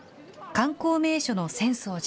観光名所の浅草寺。